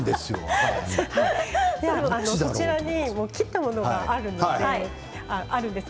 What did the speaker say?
そちらに切ったものがあります。